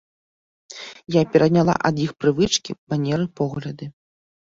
Я пераняла ад іх прывычкі, манеры, погляды.